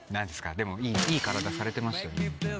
でもいい体されてましたよ。